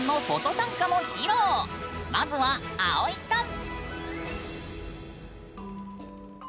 まずは葵さん！